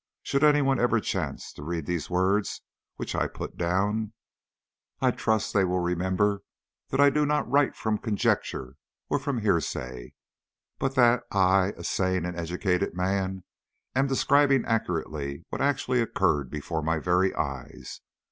Should any one ever chance to read the words which I put down, I trust they will remember that I do not write from conjecture or from hearsay, but that I, a sane and educated man, am describing accurately what actually occurred before my very eyes.